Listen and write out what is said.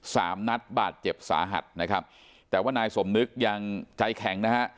สามนัดบาดเจ็บสาหัสนะครับแต่ว่านายสมนึกยังใจแข็งนะฮะ